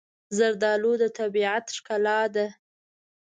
زردالو د طبیعت ښکلا ده.